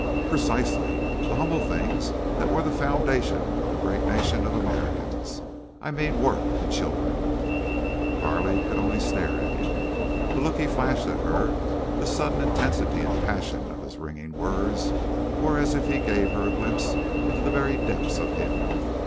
"Precisely. The humble things that were the foundation of the great nation of Americans. I meant work and children." Carley could only stare at him. The look he flashed at her, the sudden intensity and passion of his ringing words, were as if he gave her a glimpse into the very depths of him.